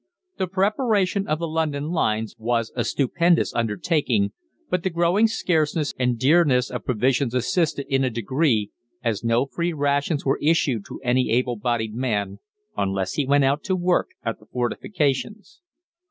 The preparation of the London lines was a stupendous undertaking, but the growing scarceness and dearness of provisions assisted in a degree, as no free rations were issued to any able bodied man unless he went out to work at the fortifications.